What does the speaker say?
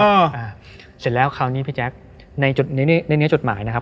ก็อ่าเสร็จแล้วคราวนี้พี่แจ๊คในในเนื้อจดหมายนะครับ